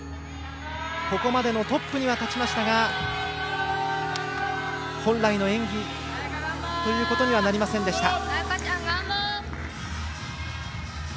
ここまでのトップには立ちましたが本来の演技ということにはなりませんでした、渡部。